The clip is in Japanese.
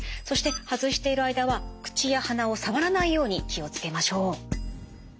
そして外している間は口や鼻を触らないように気を付けましょう。